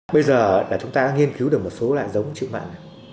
bây giờ là chúng ta nghiên cứu được một số loại giống chịu mặn